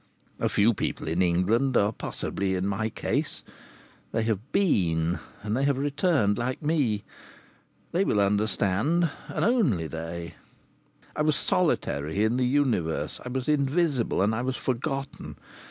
A few people in England are possibly in my case they have been, and they have returned, like me. They will understand, and only they. I was solitary in the universe. I was invisible, and I was forgotten.